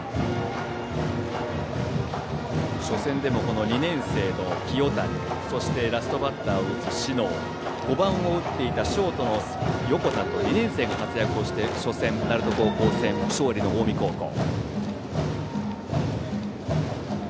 初戦でも、この２年生の清谷そしてラストバッターを打つ小竹５番を打っていたショートの横田と２年生が活躍して初戦の鳴門高校戦は勝利の近江高校。